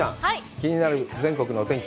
気になる全国のお天気。